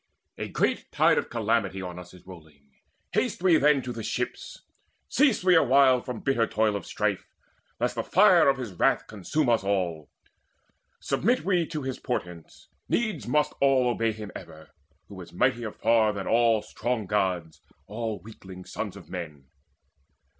A great tide of calamity On us is rolling; haste we then to the ships; Cease we awhile from bitter toil of strife, Lest the fire of his wrath consume us all. Submit we to his portents; needs must all Obey him ever, who is mightier far Than all strong Gods, all weakling sons of men.